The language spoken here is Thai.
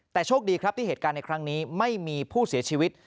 แต่โชคดีครับที่เหตุการณ์ในครั้งนี้ไม่มีผู้เสียชีวิต